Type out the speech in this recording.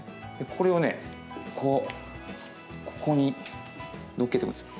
これをね、こうここに載っけておくんですよ。